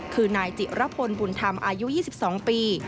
คือนายจิรพลบุญธรรมอายุ๒๒ปี